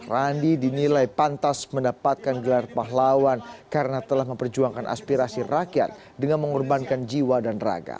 randi dinilai pantas mendapatkan gelar pahlawan karena telah memperjuangkan aspirasi rakyat dengan mengorbankan jiwa dan raga